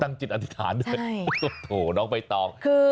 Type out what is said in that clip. ตั้งจิตอธิษฐานด้วยโถ่น้องไปต่อคือ